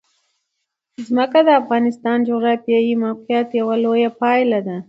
ځمکه د افغانستان د جغرافیایي موقیعت یوه لویه پایله ده.